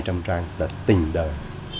một hai trăm linh trang đã tình đời